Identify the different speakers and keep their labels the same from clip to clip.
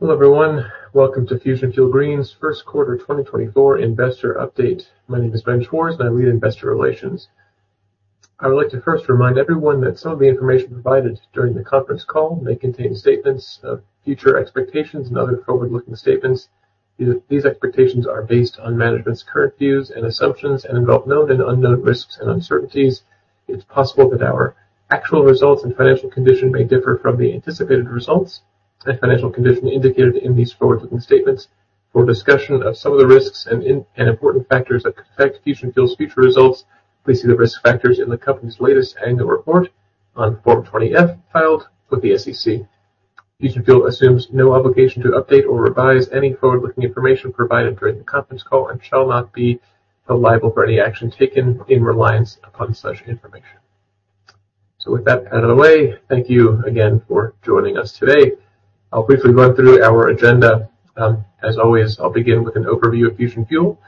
Speaker 1: Hello, everyone. Welcome to Fusion Fuel Green's Q1 2024 Investor Update. My name is Ben Schwarz, and I lead Investor Relations. I would like to first remind everyone that some of the information provided during the conference call may contain statements of future expectations and other forward-looking statements. These, these expectations are based on management's current views and assumptions, and involve known and unknown risks and uncertainties. It's possible that our actual results and financial condition may differ from the anticipated results, and financial condition indicated in these forward-looking statements. For a discussion of some of the risks and important factors that could affect Fusion Fuel's future results, please see the risk factors in the company's latest annual report on Form 20-F, filed with the SEC. Fusion Fuel assumes no obligation to update or revise any forward-looking information provided during the conference call and shall not be liable for any action taken in reliance upon such information. With that out of the way, thank you again for joining us today. I'll briefly run through our agenda. As always, I'll begin with an overview of Fusion Fuel,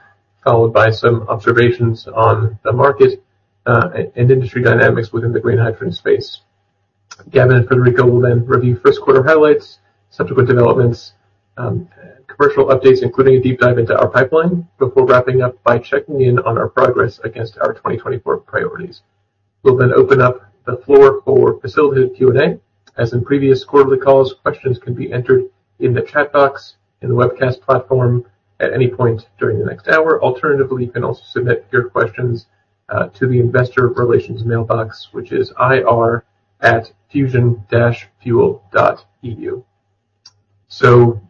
Speaker 1: followed by some observations on the market, and industry dynamics within the green hydrogen space. Gavin and Frederico will then review Q1 highlights, subsequent developments, commercial updates, including a deep dive into our pipeline, before wrapping up by checking in on our progress against our 2024 priorities. We'll then open up the floor for facilitated Q&A. As in previous quarterly calls, questions can be entered in the chat box, in the webcast platform, at any point during the next hour. Alternatively, you can also submit your questions to the investor relations mailbox, which is ir@fusion-fuel.eu.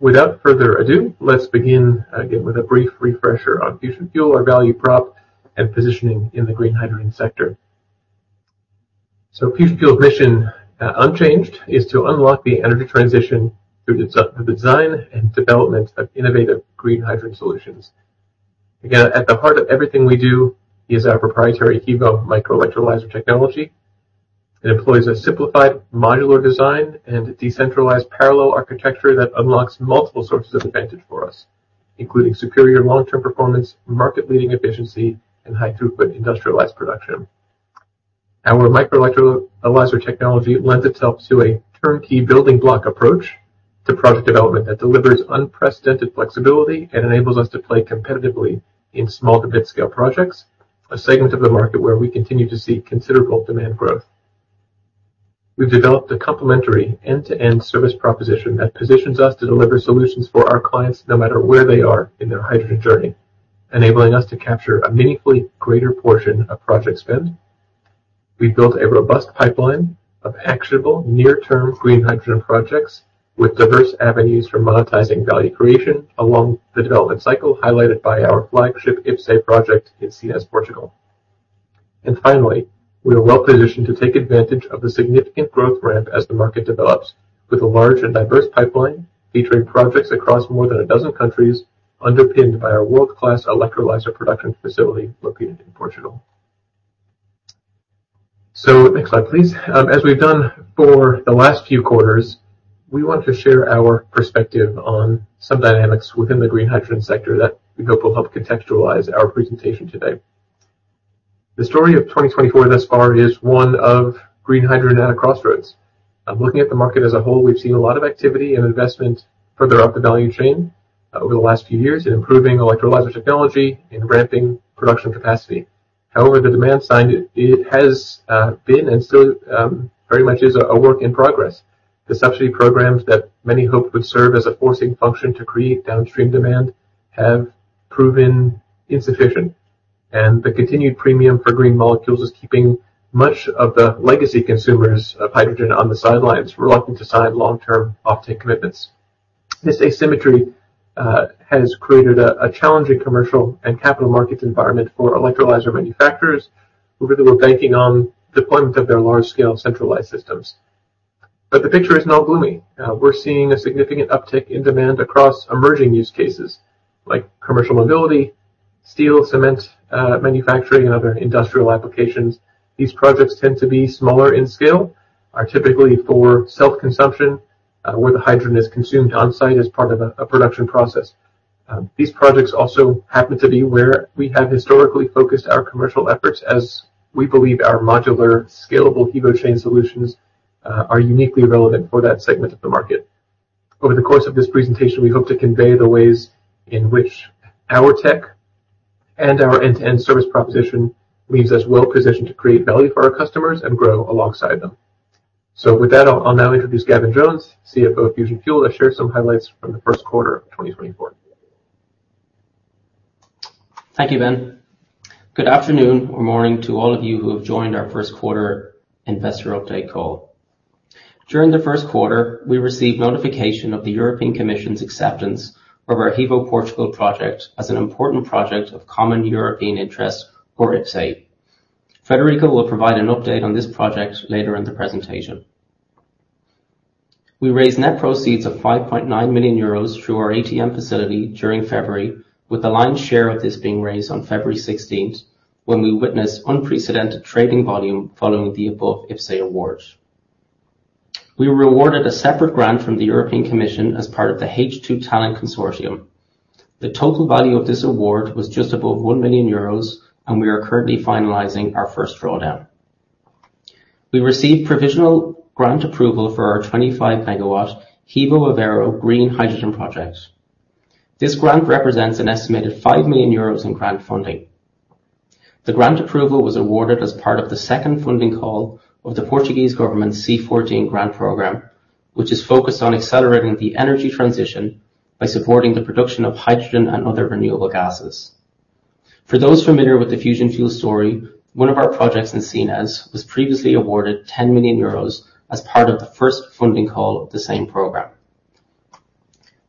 Speaker 1: Without further ado, let's begin again with a brief refresher on Fusion Fuel, our value prop, and positioning in the green hydrogen sector. Fusion Fuel's mission, unchanged, is to unlock the energy transition through the design and development of innovative green hydrogen solutions. Again, at the heart of everything we do, is our proprietary HEVO microelectrolyzer technology. It employs a simplified modular design and decentralized parallel architecture that unlocks multiple sources of advantage for us, including superior long-term performance, market-leading efficiency, and high throughput industrialized production. Our microelectrolyzer technology lends itself to a turnkey building block approach to project development that delivers unprecedented flexibility, and enables us to play competitively in small to mid-scale projects, a segment of the market where we continue to see considerable demand growth. We've developed a complementary end-to-end service proposition that positions us to deliver solutions for our clients, no matter where they are in their hydrogen journey, enabling us to capture a meaningfully greater portion of project spend. We've built a robust pipeline of actionable, near-term green hydrogen projects, with diverse avenues for monetizing value creation along the development cycle, highlighted by our flagship IPCEI project in Sines, Portugal. Finally, we are well positioned to take advantage of the significant growth ramp as the market develops, with a large and diverse pipeline, featuring projects across more than a dozen countries, underpinned by our world-class electrolyzer production facility located in Portugal. Next slide, please. As we've done for the last few quarters, we want to share our perspective on some dynamics within the green hydrogen sector that we hope will help contextualize our presentation today. The story of 2024 thus far is one of green hydrogen at a crossroads. I'm looking at the market as a whole. We've seen a lot of activity and investment further up the value chain over the last few years in improving electrolyzer technology and ramping production capacity. However, the demand side, it has been, and still very much is a work in progress. The subsidy programs that many hoped would serve as a forcing function to create downstream demand, have proven insufficient, and the continued premium for green molecules is keeping much of the legacy consumers of hydrogen on the sidelines, reluctant to sign long-term offtake commitments. This asymmetry has created a challenging commercial and capital markets environment for electrolyzer manufacturers who really were banking on deployment of their large-scale centralized systems. But the picture is not gloomy. We're seeing a significant uptick in demand across emerging use cases like commercial mobility, steel, cement, manufacturing, and other industrial applications. These projects tend to be smaller in scale, are typically for self-consumption, where the hydrogen is consumed on-site as part of a production process. These projects also happen to be where we have historically focused our commercial efforts, as we believe our modular, scalable HEVO-Chain solutions are uniquely relevant for that segment of the market. Over the course of this presentation, we hope to convey the ways in which our tech and our end-to-end service proposition leaves us well positioned to create value for our customers and grow alongside them. So with that, I'll now introduce Gavin Jones, CFO of Fusion Fuel, to share some highlights from the Q1 of 2024.
Speaker 2: Thank you, Ben. Good afternoon or morning to all of you who have joined our Q1 investor update call. During the Q1, we received notification of the European Commission's acceptance of our HEVO Portugal project as an Important Project of Common European Interest or IPCEI. Frederico will provide an update on this project later in the presentation. We raised net proceeds of 5.9 million euros through our ATM facility during February, with the lion's share of this being raised on February sixteenth, when we witnessed unprecedented trading volume following the above IPCEI award. We were awarded a separate grant from the European Commission as part of the H2 Talent Consortium. The total value of this award was just above 1 million euros, and we are currently finalizing our first draw down. We received provisional grant approval for our 25-megawatt HEVO Aveiro Green Hydrogen Project. This grant represents an estimated 5 million euros in grant funding. The grant approval was awarded as part of the second funding call of the Portuguese government C14 grant program, which is focused on accelerating the energy transition by supporting the production of hydrogen and other renewable gases. For those familiar with the Fusion Fuel story, one of our projects in Sines was previously awarded 10 million euros as part of the first funding call of the same program.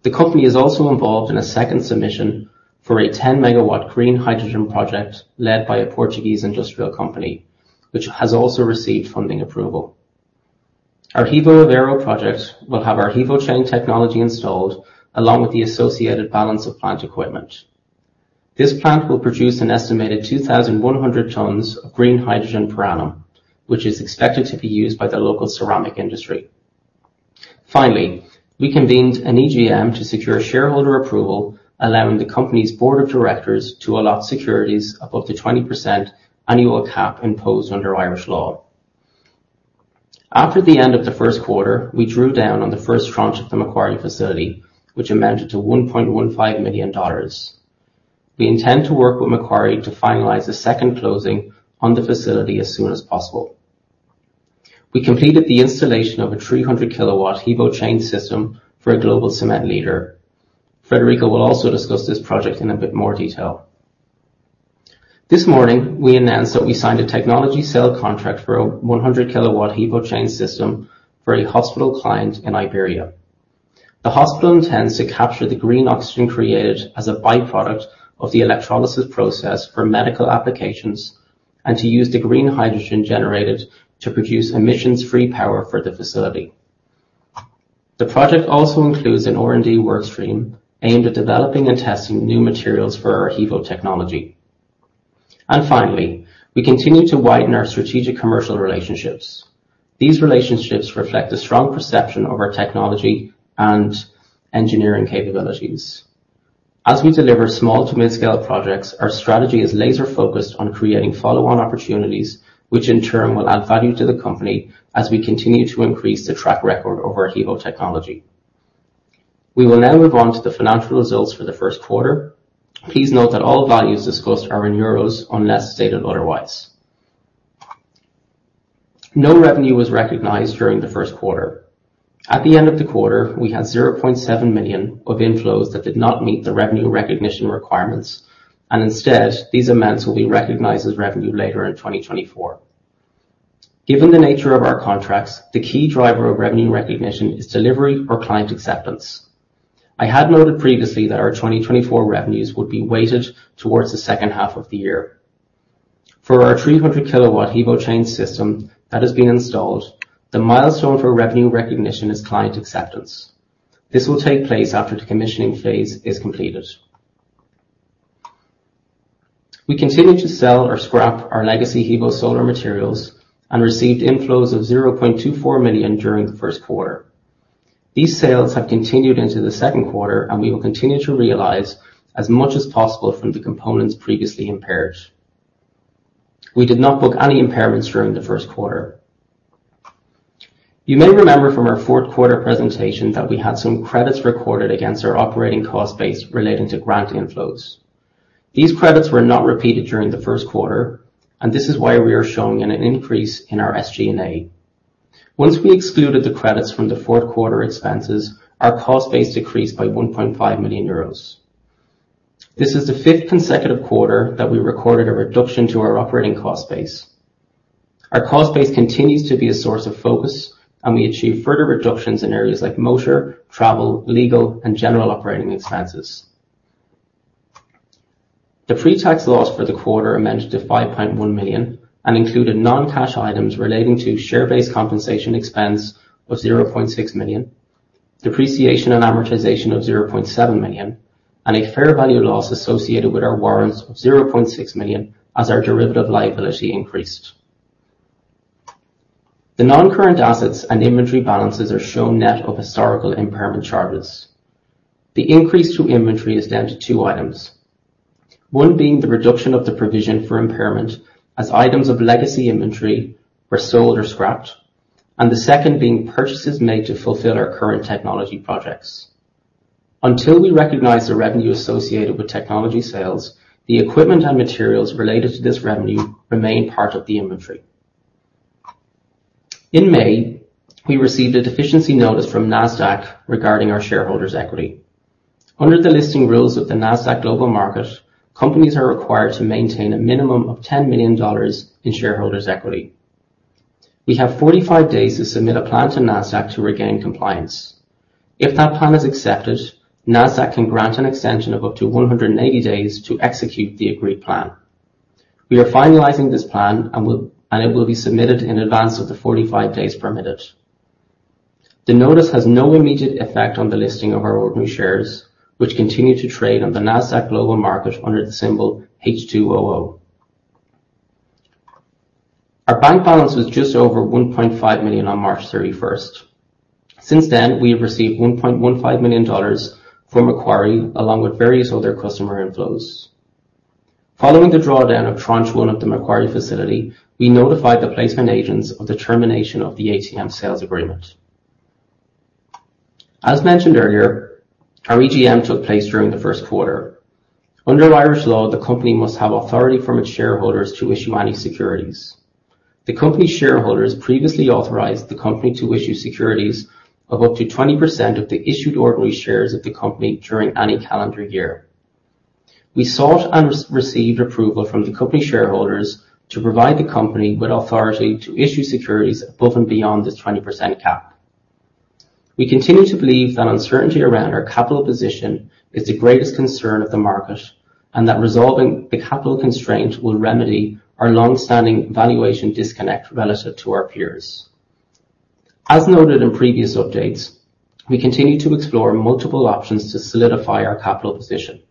Speaker 2: The company is also involved in a second submission for a 10-megawatt green hydrogen project led by a Portuguese industrial company, which has also received funding approval. Our HEVO Aveiro project will have our HEVO-Chain technology installed, along with the associated balance of plant equipment. This plant will produce an estimated 2,100 tons of green hydrogen per annum, which is expected to be used by the local ceramic industry. Finally, we convened an EGM to secure shareholder approval, allowing the company's board of directors to allot securities above the 20% annual cap imposed under Irish law. After the end of the Q1, we drew down on the first tranche of the Macquarie facility, which amounted to $1.15 million. We intend to work with Macquarie to finalize the second closing on the facility as soon as possible. We completed the installation of a 300 kW HEVO-Chain system for a global cement leader. Frederico will also discuss this project in a bit more detail. This morning, we announced that we signed a technology sale contract for a 100-kilowatt HEVO-Chain system for a hospital client in Iberia. The hospital intends to capture the green oxygen created as a byproduct of the electrolysis process for medical applications, and to use the green hydrogen generated to produce emissions-free power for the facility. The project also includes an R&D work stream aimed at developing and testing new materials for our HEVO technology. Finally, we continue to widen our strategic commercial relationships. These relationships reflect a strong perception of our technology and engineering capabilities. As we deliver small to mid-scale projects, our strategy is laser focused on creating follow-on opportunities, which in turn will add value to the company as we continue to increase the track record of our HEVO technology. We will now move on to the financial results for the Q1. Please note that all values discussed are in euros unless stated otherwise. No revenue was recognized during the Q1. At the end of the quarter, we had 0.7 million of inflows that did not meet the revenue recognition requirements, and instead, these amounts will be recognized as revenue later in 2024. Given the nature of our contracts, the key driver of revenue recognition is delivery or client acceptance. I had noted previously that our 2024 revenues would be weighted towards the H2 of the year. For our 300-kilowatt HEVO-Chain system that has been installed, the milestone for revenue recognition is client acceptance. This will take place after the commissioning phase is completed. We continued to sell or scrap our legacy HEVO-Solar materials and received inflows of 0.24 million during the Q1. These sales have continued into the Q2, and we will continue to realize as much as possible from the components previously impaired. We did not book any impairments during the Q1. You may remember from our Q4 presentation that we had some credits recorded against our operating cost base relating to grant inflows. These credits were not repeated during the Q1, and this is why we are showing an increase in our SG&A. Once we excluded the credits from the Q4 expenses, our cost base decreased by 1.5 million euros. This is the fifth consecutive quarter that we recorded a reduction to our operating cost base. Our cost base continues to be a source of focus, and we achieve further reductions in areas like motor, travel, legal, and general operating expenses. The pre-tax loss for the quarter amounted to 5.1 million and included non-cash items relating to share-based compensation expense of 0.6 million, depreciation and amortization of 0.7 million, and a fair value loss associated with our warrants of 0.6 million as our derivative liability increased. The non-current assets and inventory balances are shown net of historical impairment charges. The increase to inventory is down to two items. One being the reduction of the provision for impairment, as items of legacy inventory were sold or scrapped, and the second being purchases made to fulfill our current technology projects. Until we recognize the revenue associated with technology sales, the equipment and materials related to this revenue remain part of the inventory. In May, we received a deficiency notice from Nasdaq regarding our shareholders' equity. Under the listing rules of the Nasdaq Global Market, companies are required to maintain a minimum of $10 million in shareholders' equity. We have 45 days to submit a plan to Nasdaq to regain compliance. If that plan is accepted, Nasdaq can grant an extension of up to 180 days to execute the agreed plan. We are finalizing this plan, and it will be submitted in advance of the 45 days permitted. The notice has no immediate effect on the listing of our ordinary shares, which continue to trade on the Nasdaq Global Market under the symbol H2OO. Our bank balance was just over $1.5 million on March 31. Since then, we have received $1.15 million from Macquarie, along with various other customer inflows.... Following the drawdown of tranche one of the Macquarie facility, we notified the placement agents of the termination of the ATM sales agreement. As mentioned earlier, our EGM took place during the Q1. Under Irish law, the company must have authority from its shareholders to issue any securities. The company's shareholders previously authorized the company to issue securities of up to 20% of the issued ordinary shares of the company during any calendar year. We sought and re-received approval from the company shareholders to provide the company with authority to issue securities above and beyond this 20% cap. We continue to believe that uncertainty around our capital position is the greatest concern of the market, and that resolving the capital constraint will remedy our long-standing valuation disconnect relative to our peers. As noted in previous updates, we continue to explore multiple options to solidify our capital position.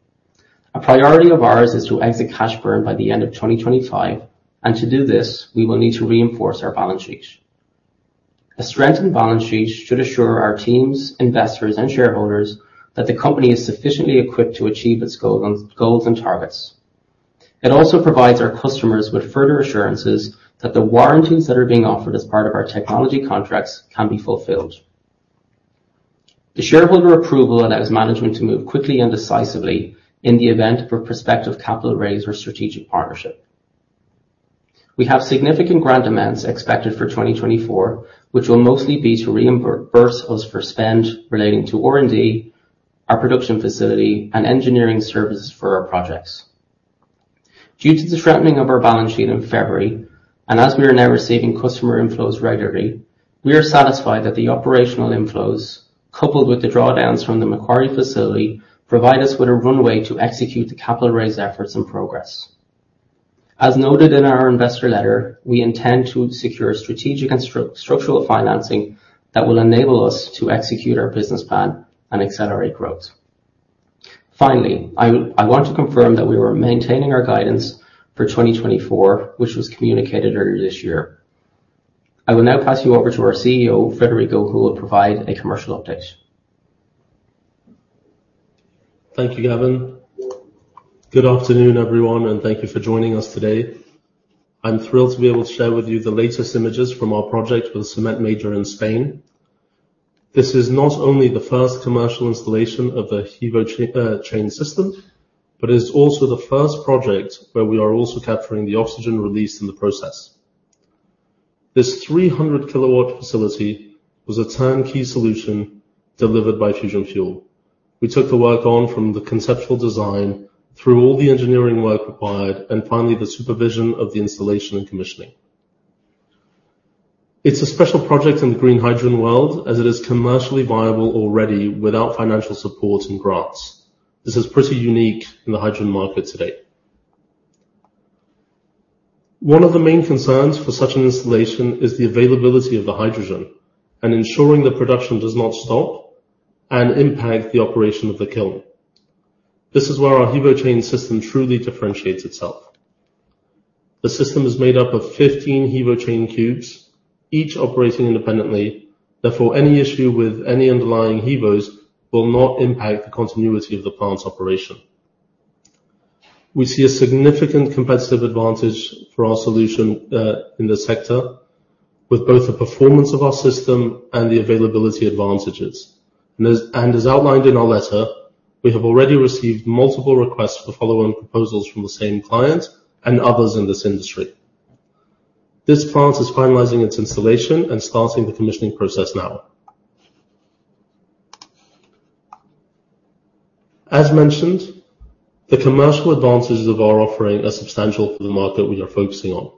Speaker 2: A priority of ours is to exit cash burn by the end of 2025, and to do this, we will need to reinforce our balance sheet. A strengthened balance sheet should assure our teams, investors, and shareholders that the company is sufficiently equipped to achieve its goals, and targets. It also provides our customers with further assurances that the warranties that are being offered as part of our technology contracts can be fulfilled. The shareholder approval allows management to move quickly and decisively in the event of a prospective capital raise or strategic partnership. We have significant grant amounts expected for 2024, which will mostly be to reimburse us for spend relating to R&D, our production facility, and engineering services for our projects. Due to the strengthening of our balance sheet in February, and as we are now receiving customer inflows regularly, we are satisfied that the operational inflows, coupled with the drawdowns from the Macquarie facility, provide us with a runway to execute the capital raise efforts and progress. As noted in our investor letter, we intend to secure strategic and structural financing that will enable us to execute our business plan and accelerate growth. Finally, I want to confirm that we are maintaining our guidance for 2024, which was communicated earlier this year. I will now pass you over to our CEO, Frederico, who will provide a commercial update.
Speaker 3: Thank you, Gavin. Good afternoon, everyone, and thank you for joining us today. I'm thrilled to be able to share with you the latest images from our project with cement major in Spain. This is not only the first commercial installation of the HEVO-Chain system, but it's also the first project where we are also capturing the oxygen released in the process. This 300-kilowatt facility was a turnkey solution delivered by Fusion Fuel. We took the work on from the conceptual design through all the engineering work required, and finally, the supervision of the installation and commissioning. It's a special project in the green hydrogen world, as it is commercially viable already without financial support and grants. This is pretty unique in the hydrogen market today. One of the main concerns for such an installation is the availability of the hydrogen and ensuring the production does not stop and impact the operation of the kiln. This is where our HEVO-Chain system truly differentiates itself. The system is made up of 15 HEVO-Chain cubes, each operating independently. Therefore, any issue with any underlying HEVOs will not impact the continuity of the plant's operation. We see a significant competitive advantage for our solution in the sector, with both the performance of our system and the availability advantages. And as outlined in our letter, we have already received multiple requests for follow-on proposals from the same client and others in this industry. This plant is finalizing its installation and starting the commissioning process now. As mentioned, the commercial advantages of our offering are substantial for the market we are focusing on.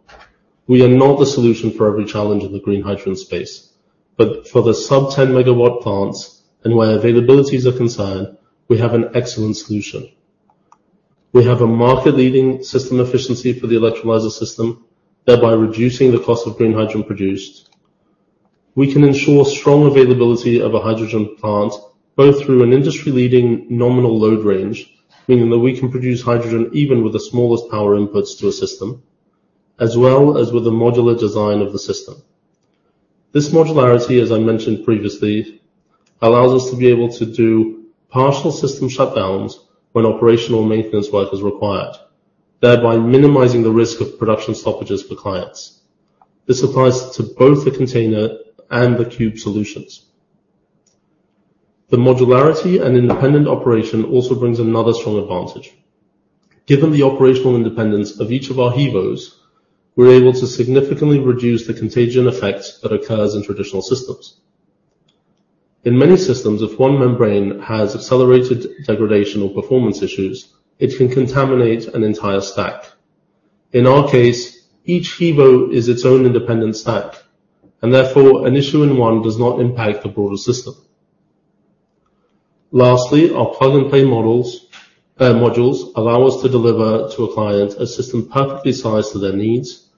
Speaker 3: We are not the solution for every challenge in the green hydrogen space, but for the sub-10 megawatt plants and where availabilities are concerned, we have an excellent solution. We have a market-leading system efficiency for the electrolyzer system, thereby reducing the cost of green hydrogen produced. We can ensure strong availability of a hydrogen plant, both through an industry-leading nominal load range, meaning that we can produce hydrogen even with the smallest power inputs to a system, as well as with the modular design of the system. This modularity, as I mentioned previously, allows us to be able to do partial system shutdowns when operational maintenance work is required, thereby minimizing the risk of production stoppages for clients. This applies to both the container and the cube solutions. The modularity and independent operation also brings another strong advantage. Given the operational independence of each of our HEVOs, we're able to significantly reduce the contagion effect that occurs in traditional systems. In many systems, if one membrane has accelerated degradation or performance issues, it can contaminate an entire stack. In our case, each HEVO is its own independent stack, and therefore, an issue in one does not impact the broader system. Lastly, our plug-and-play models, modules allow us to deliver to a client a system perfectly sized to their needs,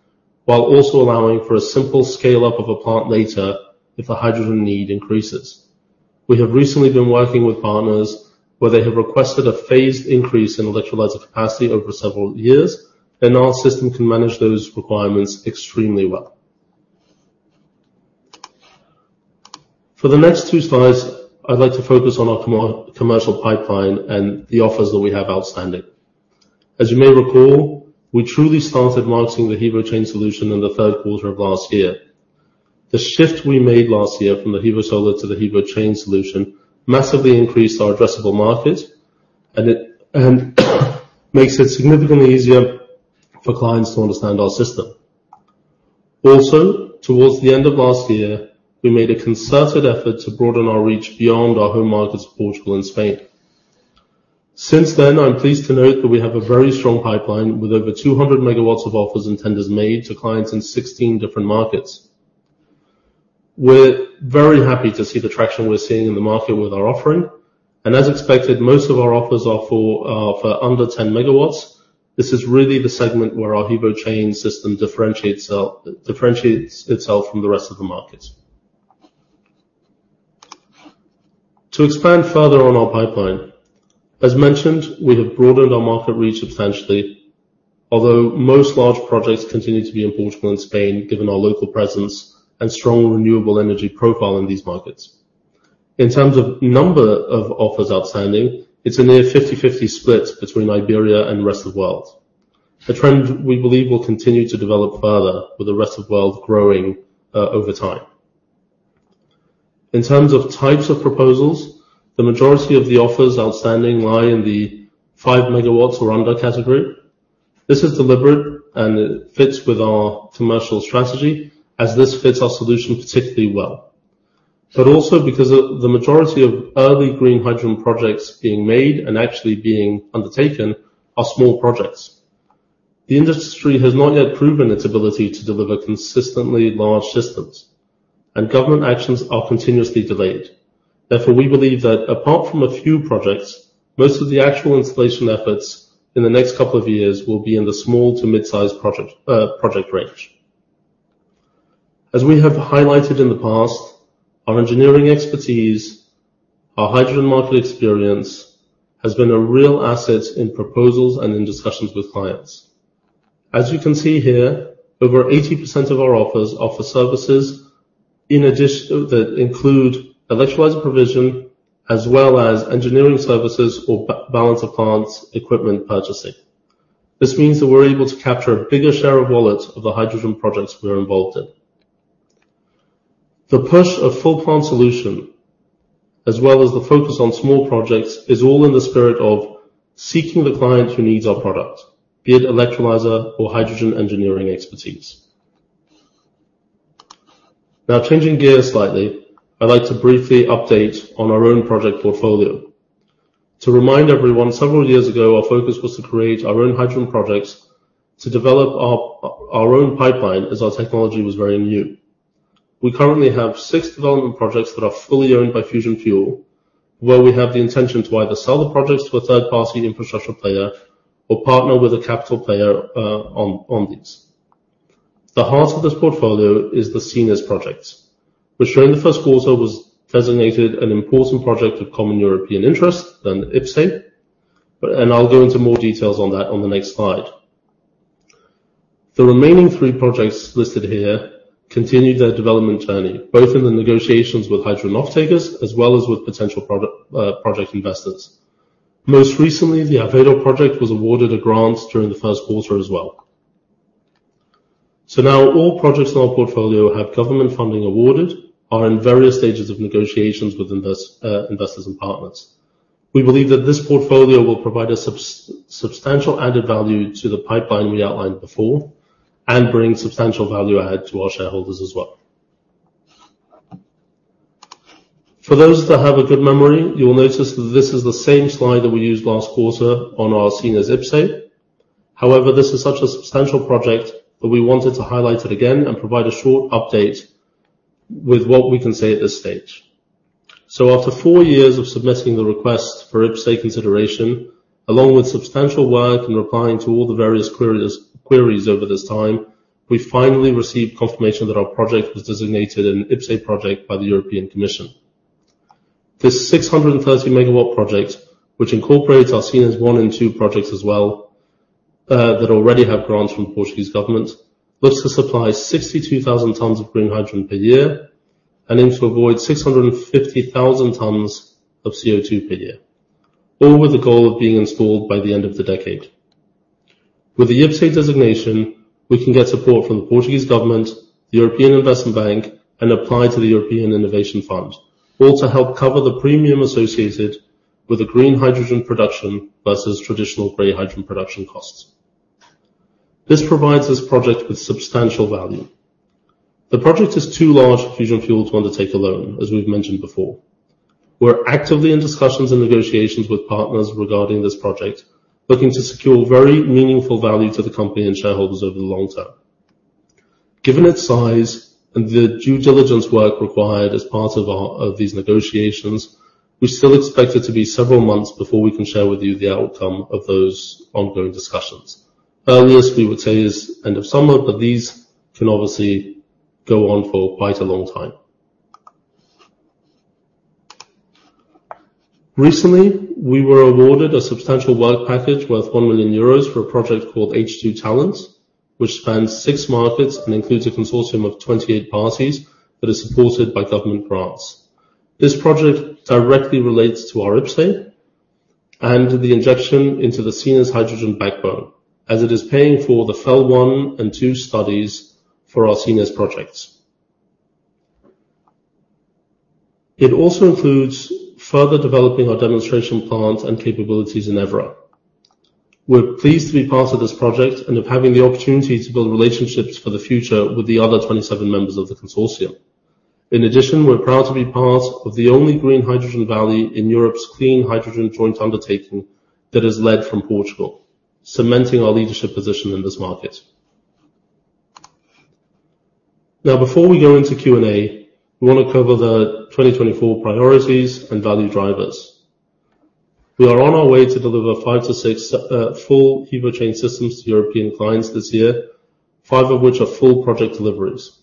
Speaker 3: while also allowing for a simple scale-up of a plant later if the hydrogen need increases. We have recently been working with partners where they have requested a phased increase in electrolyzer capacity over several years, and our system can manage those requirements extremely well. For the next two slides, I'd like to focus on our commercial pipeline and the offers that we have outstanding. As you may recall, we truly started launching the HEVO-Chain solution in the Q3 of last year. The shift we made last year from the HEVO Solar to the HEVO-Chain solution massively increased our addressable market, and it makes it significantly easier for clients to understand our system. Also, towards the end of last year, we made a concerted effort to broaden our reach beyond our home markets, Portugal and Spain. Since then, I'm pleased to note that we have a very strong pipeline with over 200 megawatts of offers and tenders made to clients in 16 different markets. We're very happy to see the traction we're seeing in the market with our offering, and as expected, most of our offers are for under 10 megawatts. This is really the segment where our HEVO-Chain system differentiates itself from the rest of the market. To expand further on our pipeline, as mentioned, we have broadened our market reach substantially, although most large projects continue to be in Portugal and Spain, given our local presence and strong renewable energy profile in these markets. In terms of number of offers outstanding, it's a near 50/50 split between Iberia and the rest of the world. A trend we believe will continue to develop further, with the rest of the world growing over time. In terms of types of proposals, the majority of the offers outstanding lie in the 5 megawatts or under category. This is deliberate, and it fits with our commercial strategy as this fits our solution particularly well, but also because the majority of early green hydrogen projects being made and actually being undertaken are small projects. The industry has not yet proven its ability to deliver consistently large systems, and government actions are continuously delayed. Therefore, we believe that apart from a few projects, most of the actual installation efforts in the next couple of years will be in the small to mid-size project range. As we have highlighted in the past, our engineering expertise, our hydrogen market experience, has been a real asset in proposals and in discussions with clients. As you can see here, over 80% of our offers offer services in addition... that include electrolyzer provision, as well as engineering services or balance of plants, equipment purchasing. This means that we're able to capture a bigger share of wallet of the hydrogen projects we're involved in. The push of full plant solution, as well as the focus on small projects, is all in the spirit of seeking the client who needs our product, be it electrolyzer or hydrogen engineering expertise. Now, changing gears slightly, I'd like to briefly update on our own project portfolio. To remind everyone, several years ago, our focus was to create our own hydrogen projects to develop our own pipeline as our technology was very new. We currently have six development projects that are fully owned by Fusion Fuel, where we have the intention to either sell the projects to a third-party infrastructure player or partner with a capital player on these. The heart of this portfolio is the Sines project, which during the Q1 was designated an Important Project of Common European Interest, an IPCEI, but... and I'll go into more details on that on the next slide. The remaining three projects listed here continue their development journey, both in the negotiations with hydrogen off-takers as well as with potential product, project investors. Most recently, the Aveiro project was awarded a grant during the Q1 as well. So now all projects in our portfolio have government funding awarded, are in various stages of negotiations with invest, investors and partners. We believe that this portfolio will provide a substantial added value to the pipeline we outlined before and bring substantial value add to our shareholders as well. For those that have a good memory, you will notice that this is the same slide that we used last quarter on our Sines IPCEI. However, this is such a substantial project that we wanted to highlight it again and provide a short update with what we can say at this stage. So after four years of submitting the request for IPCEI consideration, along with substantial work in replying to all the various queries over this time, we finally received confirmation that our project was designated an IPCEI project by the European Commission. This 630 MW project, which incorporates our Sines I and II projects as well, that already have grants from Portuguese government, looks to supply 62,000 tons of green hydrogen per year and aims to avoid 650,000 tons of CO2 per year, all with the goal of being installed by the end of the decade. With the IPCEI designation, we can get support from the Portuguese government, the European Investment Bank, and apply to the European Innovation Fund. All to help cover the premium associated with the green hydrogen production versus traditional gray hydrogen production costs. This provides this project with substantial value. The project is too large for Fusion Fuel to undertake alone, as we've mentioned before. We're actively in discussions and negotiations with partners regarding this project, looking to secure very meaningful value to the company and shareholders over the long term. Given its size and the due diligence work required as part of our, of these negotiations, we still expect it to be several months before we can share with you the outcome of those ongoing discussions. Earliest, we would say, is end of summer, but these can obviously go on for quite a long time. Recently, we were awarded a substantial work package worth 1 million euros for a project called H2 Talent, which spans 6 markets and includes a consortium of 28 parties that is supported by government grants. This project directly relates to our IPCEI and the injection into the Sines Hydrogen backbone, as it is paying for the FEL 1 and 2 studies for our Sines projects. It also includes further developing our demonstration plant and capabilities in Aveiro. We're pleased to be part of this project and of having the opportunity to build relationships for the future with the other 27 members of the consortium. In addition, we're proud to be part of the only green hydrogen valley in Europe's Clean Hydrogen Joint Undertaking that is led from Portugal, cementing our leadership position in this market. Now, before we go into Q&A, we want to cover the 2024 priorities and value drivers. We are on our way to deliver 5-6 full HEVO-Chain systems to European clients this year, five of which are full project deliveries.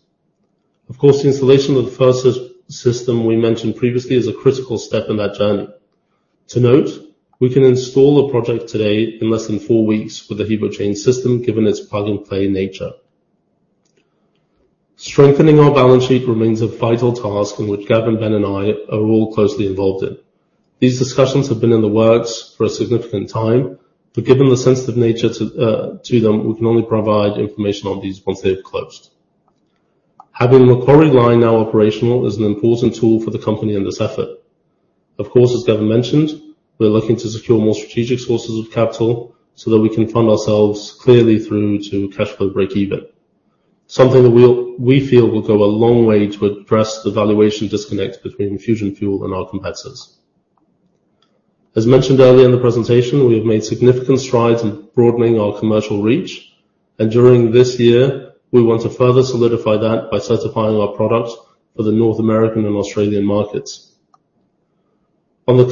Speaker 3: Of course, the installation of the first system we mentioned previously is a critical step in that journey. To note, we can install a project today in less than four weeks with the HEVO-Chain system, given its plug-and-play nature. Strengthening our balance sheet remains a vital task in which Gavin, Ben, and I are all closely involved in. These discussions have been in the works for a significant time, but given the sensitive nature to, to them, we can only provide information on these once they have closed. Having Macquarie line now operational is an important tool for the company in this effort. Of course, as Gavin mentioned, we're looking to secure more strategic sources of capital so that we can fund ourselves clearly through to cash flow breakeven. Something that we'll feel will go a long way to address the valuation disconnect between Fusion Fuel and our competitors. As mentioned earlier in the presentation, we have made significant strides in broadening our commercial reach, and during this year, we want to further solidify that by certifying our products for the North American and Australian markets. On the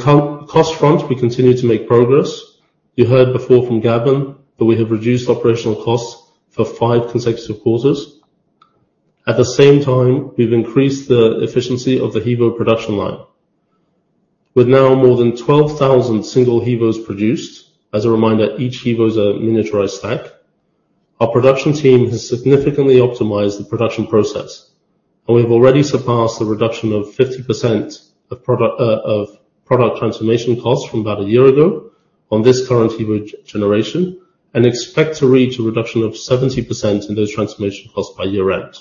Speaker 3: cost front, we continue to make progress. You heard before from Gavin, that we have reduced operational costs for 5 consecutive quarters. At the same time, we've increased the efficiency of the HEVO production line. With now more than 12,000 single HEVOs produced, as a reminder, each HEVO is a miniaturized stack. Our production team has significantly optimized the production process, and we've already surpassed the reduction of 50% of product, of product transformation costs from about a year ago on this current HEVO generation, and expect to reach a reduction of 70% in those transformation costs by year-end.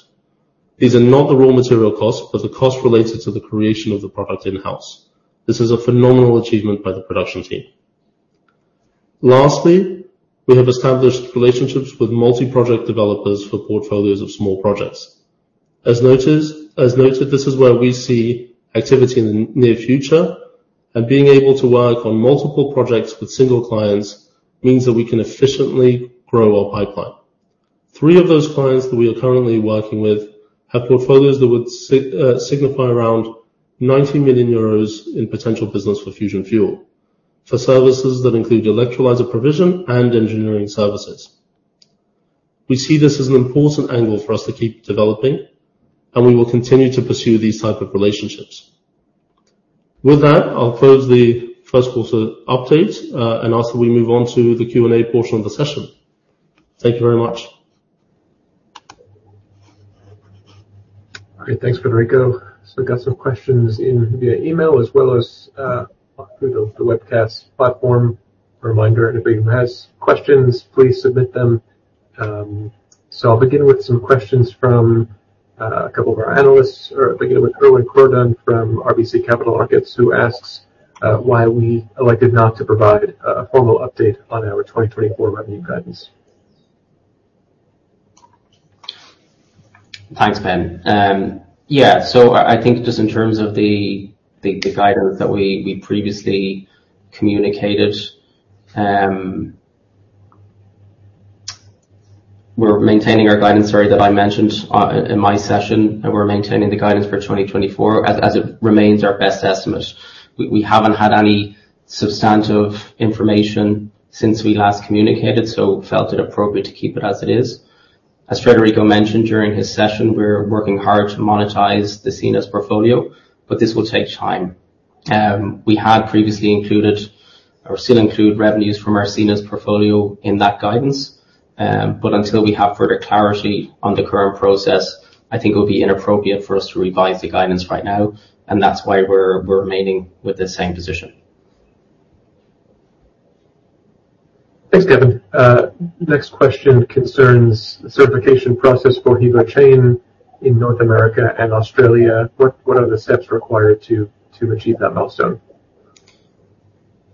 Speaker 3: These are not the raw material costs, but the costs related to the creation of the product in-house. This is a phenomenal achievement by the production team. Lastly, we have established relationships with multi-project developers for portfolios of small projects. As noted, this is where we see activity in the near future, and being able to work on multiple projects with single clients means that we can efficiently grow our pipeline. Three of those clients that we are currently working with have portfolios that would signify around 90 million euros in potential business for Fusion Fuel, for services that include electrolyzer provision and engineering services. We see this as an important angle for us to keep developing, and we will continue to pursue these type of relationships. With that, I'll close the Q1 update, and also we move on to the Q&A portion of the session. Thank you very much.
Speaker 1: Okay, thanks, Frederico. So we've got some questions in via email as well as through the webcast platform. A reminder, anybody who has questions, please submit them. So I'll begin with some questions from a couple of our analysts, or begin with Erwan Kerouredan from RBC Capital Markets, who asks why we elected not to provide a formal update on our 2024 revenue guidance?
Speaker 2: Thanks, Ben. Yeah, so I think just in terms of the guidance that we previously communicated, we're maintaining our guidance—sorry, that I mentioned in my session—and we're maintaining the guidance for 2024 as it remains our best estimate. We haven't had any substantive information since we last communicated, so felt it appropriate to keep it as it is. As Frederico mentioned during his session, we're working hard to monetize the Sines portfolio, but this will take time. We had previously included or still include revenues from our Sines portfolio in that guidance, but until we have further clarity on the current process, I think it would be inappropriate for us to revise the guidance right now, and that's why we're remaining with the same position.
Speaker 1: Thanks, Gavin. Next question concerns the certification process for HEVO-Chain in North America and Australia. What are the steps required to achieve that milestone?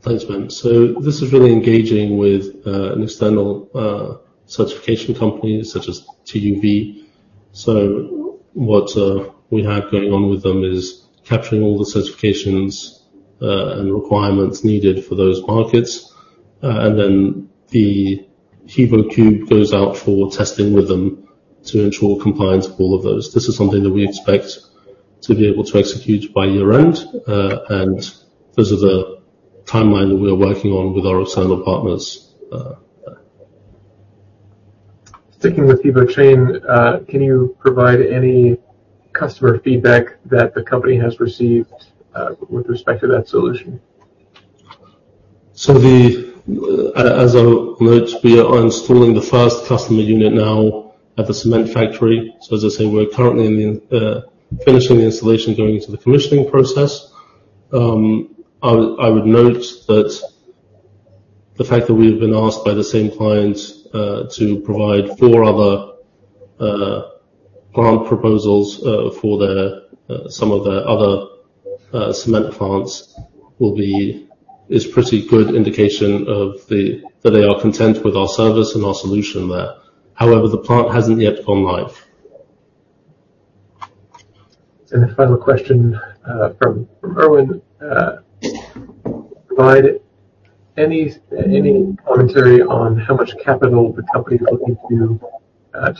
Speaker 3: Thanks, Ben. So this is really engaging with an external certification company such as TÜV. So what we have going on with them is capturing all the certifications and requirements needed for those markets, and then the HEVO cube goes out for testing with them to ensure compliance with all of those. This is something that we expect to be able to execute by year-end, and this is a timeline that we are working on with our external partners.
Speaker 1: ...Sticking with HEVO-Chain, can you provide any customer feedback that the company has received, with respect to that solution?
Speaker 3: So as I mentioned, we are installing the first customer unit now at the cement factory. So as I say, we're currently in the finishing the installation, going into the commissioning process. I would note that the fact that we've been asked by the same client to provide four other grant proposals for some of their other cement plants is pretty good indication of that they are content with our service and our solution there. However, the plant hasn't yet gone live.
Speaker 1: The final question from Erwan: Provide any commentary on how much capital the company is looking to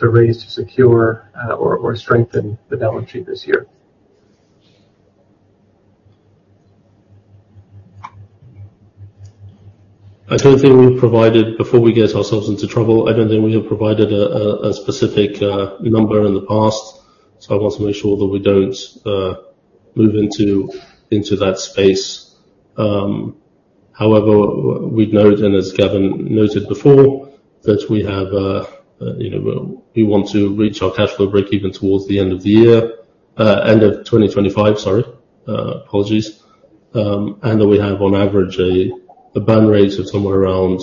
Speaker 1: raise, to secure, or strengthen the balance sheet this year?
Speaker 3: Before we get ourselves into trouble, I don't think we have provided a specific number in the past, so I want to make sure that we don't move into that space. However, we'd note, and as Gavin noted before, that we have, you know, we want to reach our cash flow breakeven towards the end of the year, end of 2025, sorry, apologies. And that we have, on average, a burn rate of somewhere around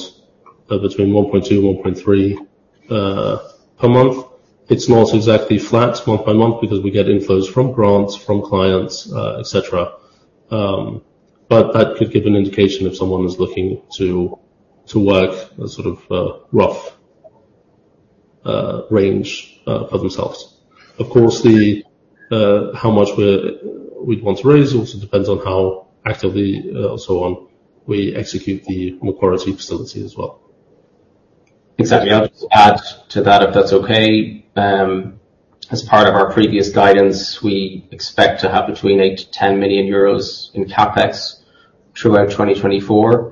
Speaker 3: between 1.2-1.3 per month. It's not exactly flat month by month, because we get inflows from grants, from clients, et cetera. But that could give an indication if someone is looking to work a sort of rough range for themselves. Of course, how much we'd want to raise also depends on how actively we execute the Macquarie facility as well.
Speaker 2: Exactly. I'll just add to that, if that's okay. As part of our previous guidance, we expect to have between 8 million to 10 million euros in CapEx throughout 2024.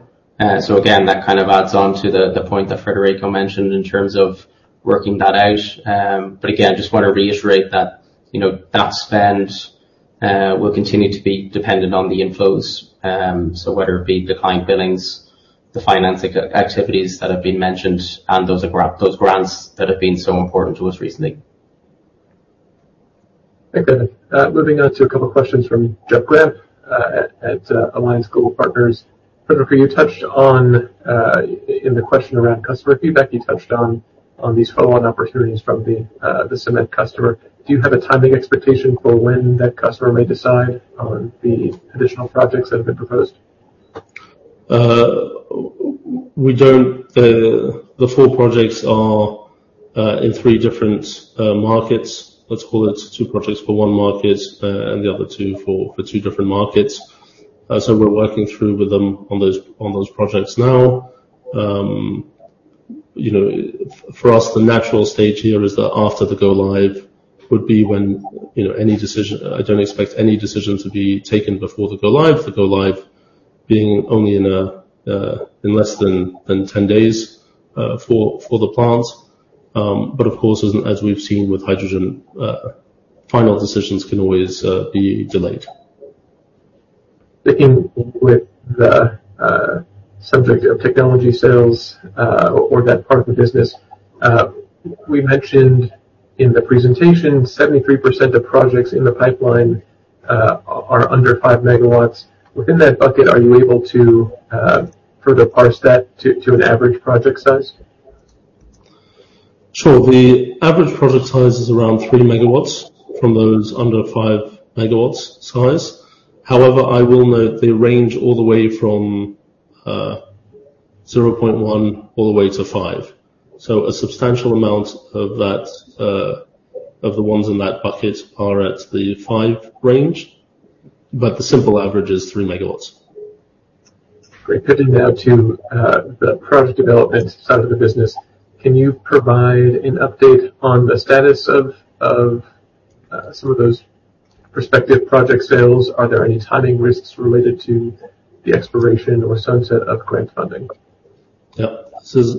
Speaker 2: So again, that kind of adds on to the point that Frederico mentioned in terms of working that out. But again, just want to reiterate that, you know, that spend will continue to be dependent on the inflows. So whether it be the client billings, the financing activities that have been mentioned, and those grants that have been so important to us recently.
Speaker 1: Thank you. Moving on to a couple of questions from Jeff Grampp at Alliance Global Partners. Frederico, you touched on in the question around customer feedback, you touched on these follow-on opportunities from the cement customer. Do you have a timing expectation for when that customer may decide on the additional projects that have been proposed?
Speaker 3: We don't... The four projects are in three different markets. Let's call it two projects for one market, and the other two for two different markets. So we're working through with them on those projects now. You know, for us, the natural stage here is that after the go-live would be when, you know, any decision—I don't expect any decision to be taken before the go-live. The go-live being only in less than 10 days for the plant. But of course, as we've seen with hydrogen, final decisions can always be delayed.
Speaker 1: In with the subject of technology sales, or that part of the business, we mentioned in the presentation, 73% of projects in the pipeline are under 5 MW. Within that bucket, are you able to further parse that to an average project size?
Speaker 3: Sure. The average project size is around 3 MW from those under 5 MW size. However, I will note they range all the way from 0.1 all the way to 5. So a substantial amount of that of the ones in that bucket are at the 5 range, but the simple average is 3 MW.
Speaker 1: Great. Turning now to the project development side of the business, can you provide an update on the status of some of those prospective project sales? Are there any timing risks related to the expiration or sunset of grant funding?
Speaker 3: Yeah. This is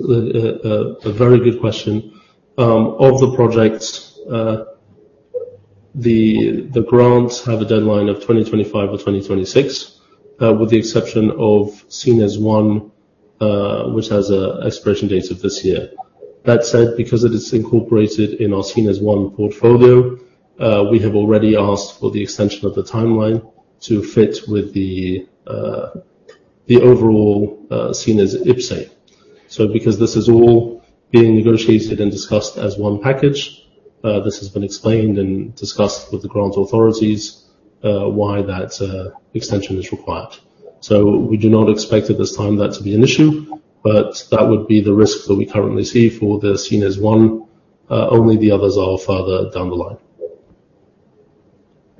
Speaker 3: a very good question. Of the projects, the grants have a deadline of 2025 or 2026, with the exception of Sines I, which has an expiration date of this year. That said, because it is incorporated in our Sines I portfolio, we have already asked for the extension of the timeline to fit with the overall Sines IPCEI. So because this is all being negotiated and discussed as one package, this has been explained and discussed with the grant authorities why that extension is required. So we do not expect at this time that to be an issue, but that would be the risk that we currently see for the Sines I. Only the others are farther down the line.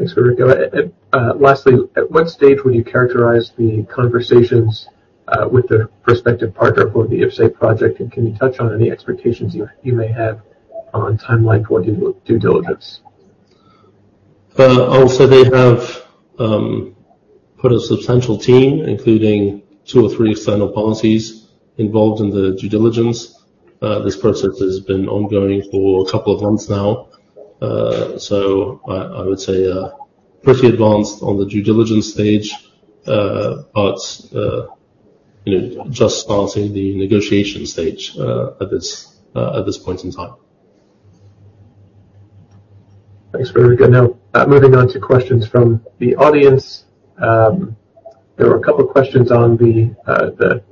Speaker 1: Thanks, Frederico. Lastly, at what stage would you characterize the conversations with the prospective partner for the IPCEI project, and can you touch on any expectations you may have on timeline for the due diligence?...
Speaker 3: Also they have put a substantial team, including two or three external advisors, involved in the due diligence. This process has been ongoing for a couple of months now. So I would say pretty advanced on the due diligence stage. But you know, just starting the negotiation stage at this point in time.
Speaker 1: Thanks, very good. Now, moving on to questions from the audience. There were a couple of questions on the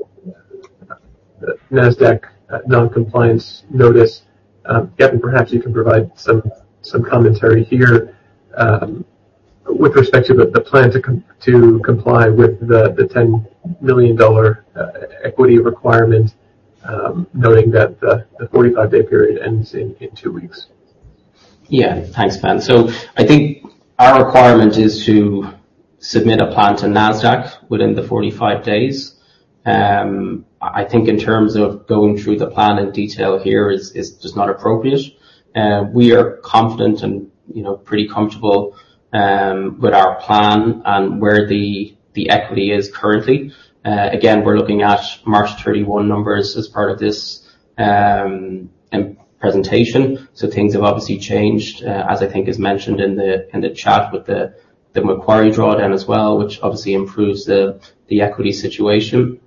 Speaker 1: Nasdaq non-compliance notice. Gavin, perhaps you can provide some commentary here, with respect to the plan to comply with the $10 million equity requirement, noting that the 45-day period ends in two weeks.
Speaker 2: Yeah. Thanks, Ben. So I think our requirement is to submit a plan to Nasdaq within the 45 days. I think in terms of going through the plan in detail here is just not appropriate. We are confident and, you know, pretty comfortable with our plan and where the equity is currently. Again, we're looking at March 31 numbers as part of this presentation, so things have obviously changed as I think is mentioned in the chat with the Macquarie drawdown as well, which obviously improves the equity situation.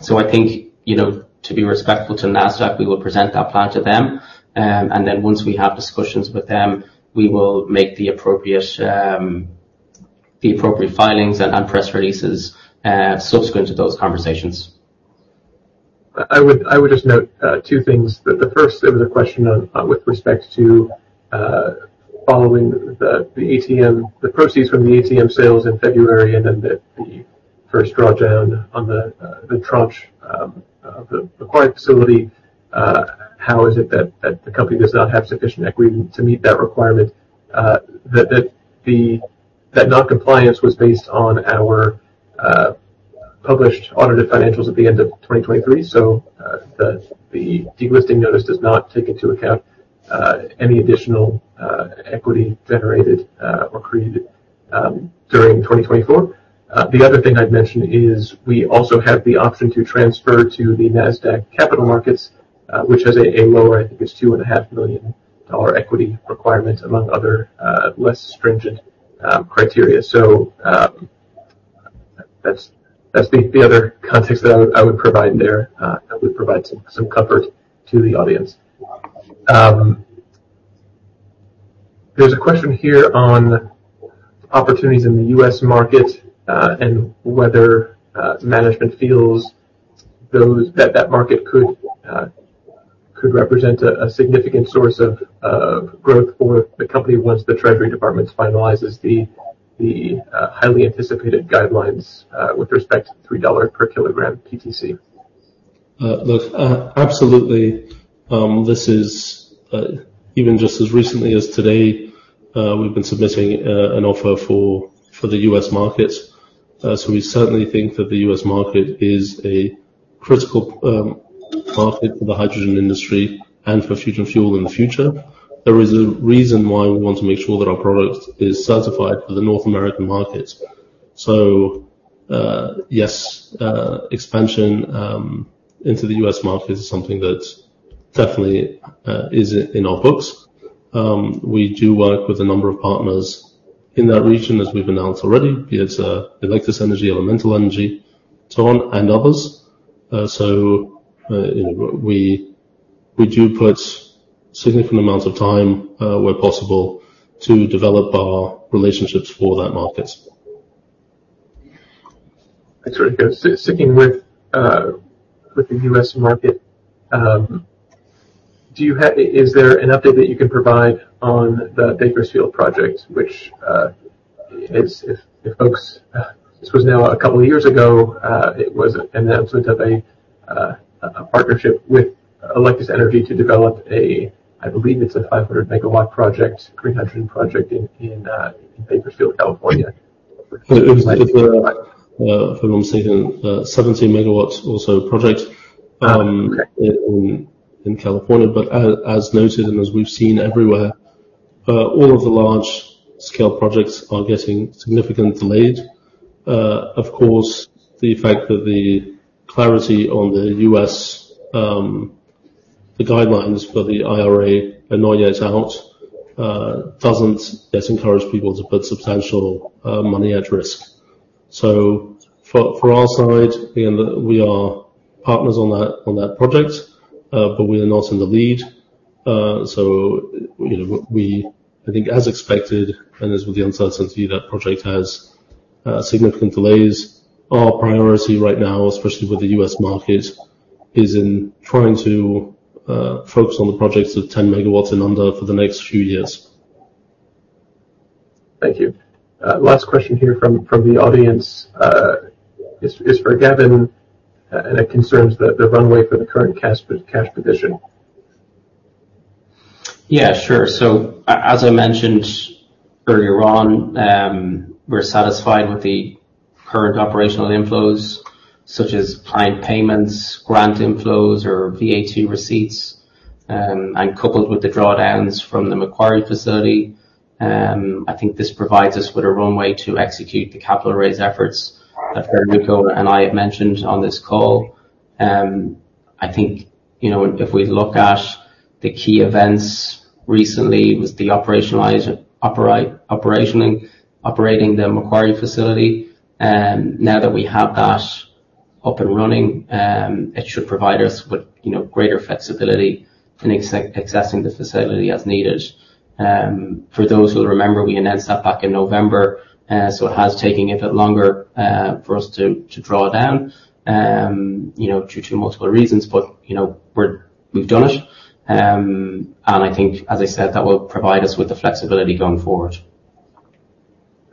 Speaker 2: So I think, you know, to be respectful to Nasdaq, we will present that plan to them. And then once we have discussions with them, we will make the appropriate filings and press releases subsequent to those conversations.
Speaker 1: I would just note two things. The first, there was a question on, with respect to, following the ATM, the proceeds from the ATM sales in February, and then the first drawdown on the tranche of the acquired facility. How is it that the company does not have sufficient equity to meet that requirement? That the non-compliance was based on our published audited financials at the end of 2023. So, the delisting notice does not take into account any additional equity generated or created during 2024. The other thing I'd mention is we also have the option to transfer to the Nasdaq Capital Markets, which has a lower, I think, it's $2.5 million equity requirement, among other, less stringent, criteria. So, that's, that's the other context that I would, I would provide there, that would provide some, some comfort to the audience. There's a question here on opportunities in the US market, and whether management feels that, that market could, could represent a significant source of growth for the company once the Treasury Department finalizes the, the, highly anticipated guidelines, with respect to $3 per kilogram PTC.
Speaker 3: Look, absolutely, this is, even just as recently as today, we've been submitting an offer for the U.S. market. So we certainly think that the U.S. market is a critical market for the hydrogen industry and for Fusion Fuel in the future. There is a reason why we want to make sure that our product is certified for the North American market. So, yes, expansion into the U.S. market is something that definitely is in our books. We do work with a number of partners in that region, as we've announced already. Be it, Electus Energy, Elemental Clean Fuels, so on and others. So, you know, we do put significant amounts of time, where possible to develop our relationships for that market.
Speaker 1: That's very good. Sticking with the U.S. market, is there an update that you can provide on the Bakersfield project, which is, if folks, this was now a couple of years ago, it was an announcement of a partnership with Electus Energy to develop a, I believe it's a 500-megawatt project, 300 project in Bakersfield, California.
Speaker 3: If I'm saying, 17 megawatts or so project-
Speaker 1: Um, okay
Speaker 3: in California. But as noted, and as we've seen everywhere, all of the large-scale projects are getting significantly delayed. Of course, the fact that the clarity on the U.S., the guidelines for the IRA are not yet out, doesn't yet encourage people to put substantial money at risk. So for our side, again, we are partners on that project, but we are not in the lead. So, you know, we... I think, as expected, and as with the uncertainty, that project has significant delays. Our priority right now, especially with the U.S. market, is in trying to focus on the projects of 10 megawatts and under for the next few years.
Speaker 1: Thank you. Last question here from the audience is for Gavin, and it concerns the runway for the current cash position.
Speaker 2: Yeah, sure. So as I mentioned earlier on, we're satisfied with the current operational inflows, such as client payments, grant inflows, or VAT receipts, and coupled with the drawdowns from the Macquarie facility, I think this provides us with a runway to execute the capital raise efforts that Frederico and I have mentioned on this call. I think, you know, if we look at the key events recently, was operating the Macquarie facility, and now that we have that up and running, it should provide us with, you know, greater flexibility in accessing the facility as needed. For those who remember, we announced that back in November, so it has taken a bit longer for us to draw down, you know, due to multiple reasons, but, you know, we've done it. I think, as I said, that will provide us with the flexibility going forward.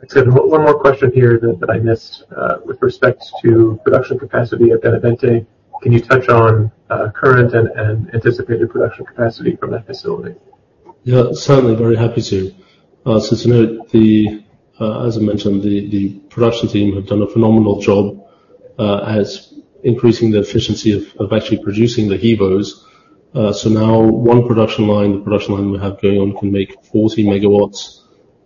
Speaker 1: Excellent. One more question here that I missed. With respect to production capacity at Benavente, can you touch on current and anticipated production capacity from that facility?
Speaker 3: Yeah, certainly. Very happy to. So to note, as I mentioned, the production team have done a phenomenal job as increasing the efficiency of actually producing the HEVOs. So now one production line, the production line we have going on, can make 40 megawatts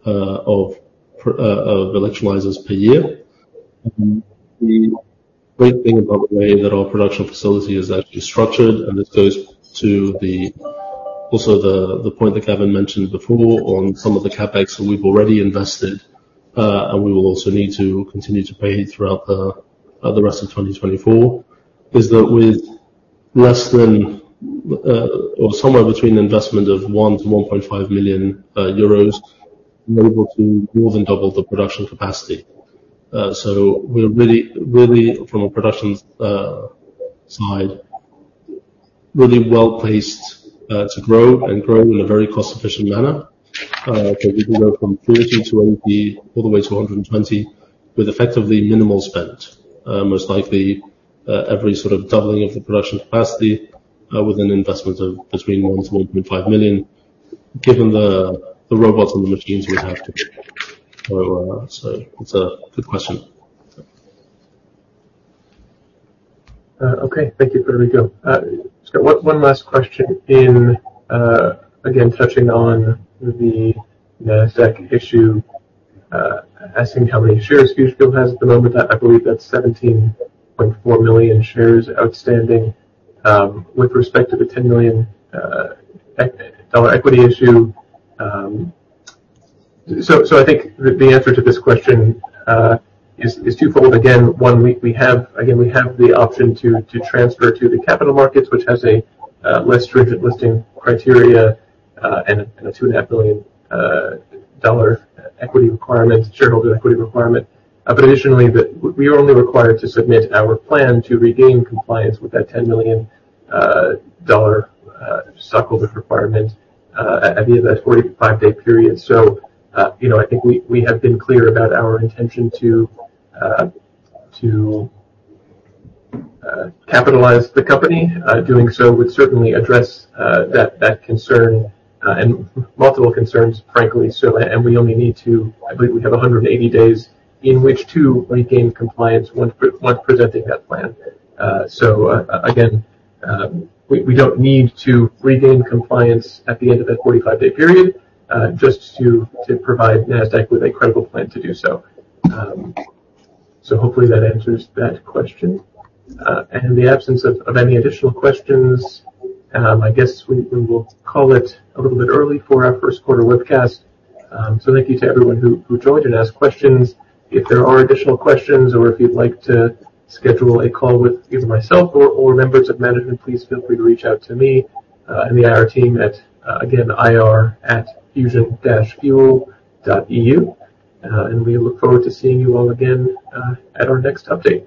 Speaker 3: of electrolyzers per year. The great thing about the way that our production facility is actually structured, and this goes to also the point that Gavin mentioned before on some of the CapEx that we've already invested, and we will also need to continue to pay throughout the rest of 2024, is that with less than or somewhere between an investment of 1-1.5 million euros, we're able to more than double the production capacity. So we're really, really, from a production side, really well-placed to grow and grow in a very cost-efficient manner. So we can go from 30 to 80, all the way to 120 with effectively minimal spend. Most likely, every sort of doubling of the production capacity with an investment of between 1-1.5 million, given the robots and the machines we have. So it's a good question.
Speaker 1: Okay. Thank you, Frederico. So one last question in, again, touching on the Nasdaq issue, asking how many shares Fusion Fuel has at the moment. I believe that's 17.4 million shares outstanding, with respect to the $10 million dollar equity issue. So I think the answer to this question is twofold. Again, one, we have the option to transfer to the capital markets, which has a less stringent listing criteria, and a $2.5 million dollar equity requirement, shareholder equity requirement. But additionally, we are only required to submit our plan to regain compliance with that $10 million dollar shareholder requirement, at the end of that 45-day period. So, you know, I think we have been clear about our intention to capitalize the company. Doing so would certainly address that concern and multiple concerns, frankly, so... We only need to, I believe we have 180 days in which to regain compliance once presenting that plan. So, again, we don't need to regain compliance at the end of that 45-day period, just to provide Nasdaq with a credible plan to do so. So hopefully that answers that question. And in the absence of any additional questions, I guess we will call it a little bit early for our Q1 webcast. So thank you to everyone who joined and asked questions. If there are additional questions or if you'd like to schedule a call with either myself or members of management, please feel free to reach out to me, and the IR team at, again, ir@fusion-fuel.eu. We look forward to seeing you all again, at our next update.